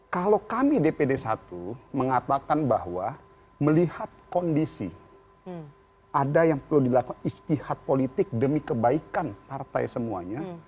kalau kami dpd satu mengatakan bahwa melihat kondisi ada yang perlu dilakukan istihad politik demi kebaikan partai semuanya